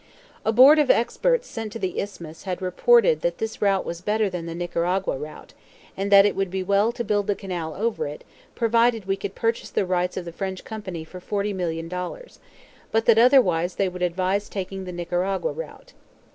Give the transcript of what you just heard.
A board of experts sent to the Isthmus had reported that this route was better than the Nicaragua route, and that it would be well to build the canal over it provided we could purchase the rights of the French company for forty million dollars; but that otherwise they would advise taking the Nicaragua route.